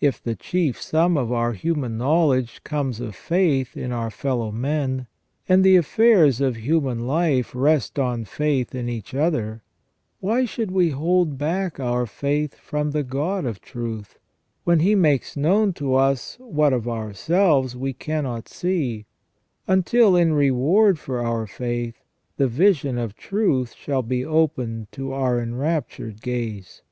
If the chief sum of our human knowledge comes of faith in our fellow men, and the affairs of human life rest on faith in each other, why should we hold back our faith from the God of truth, when He makes known to us what of ourselves we cannot see, until, in reward for our faith, the vision of truth shall be opened to our enraptured gaze.